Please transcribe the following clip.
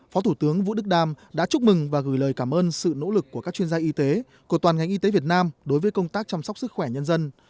phó thủ tướng vũ đức đam đã chúc mừng và gửi lời cảm ơn sự nỗ lực của các chuyên gia y tế của toàn ngành y tế việt nam đối với công tác chăm sóc sức khỏe nhân dân